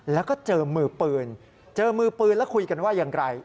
แล้วก็เจอมือปืนเจอมือปืนแล้วคุยกันว่าอย่างไร